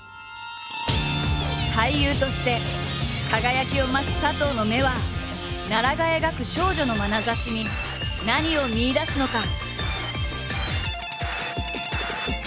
俳優として輝きを増す佐藤の目は奈良が描く少女のまなざしに何を見いだすのか？